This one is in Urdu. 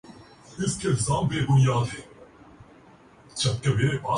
مجھے معدے میں درد ہو رہا ہے۔